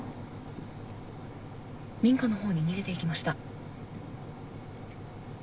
民家のほうに逃げていきました。